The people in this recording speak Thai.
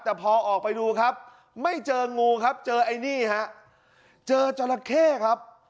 แต่พอออกไปดูครับไม่เจองูครับเจอไอ้นี่ฮะเจอจราเข้ครับ